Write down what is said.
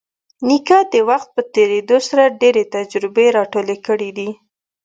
نیکه د وخت په تېرېدو سره ډېرې تجربې راټولې کړي دي.